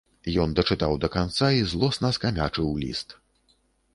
Ён дачытаў да канца і злосна скамячыў ліст.